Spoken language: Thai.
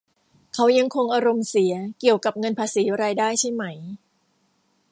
เขายังคงอารมณ์เสียเกี่ยวกับเงินภาษีรายได้ใช่ไหม